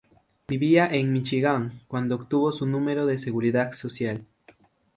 Vivía en Míchigan cuando obtuvo su número de Seguridad Social.